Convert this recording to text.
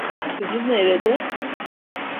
Kızın nerede?